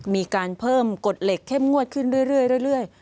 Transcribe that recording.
มีการเพิ่มกฎเหล็กเข้มงวดขึ้นเรื่อย